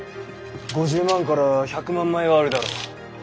５０万から１００万枚はあるだろう。